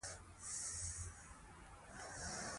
د علومو اکاډمۍ ځینې اثار چاپ کړي دي.